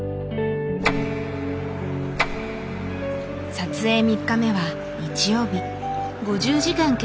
撮影３日目は日曜日。